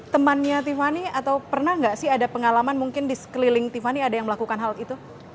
temannya tiffany atau pernah nggak sih ada pengalaman mungkin di sekeliling tiffany ada yang melakukan hal itu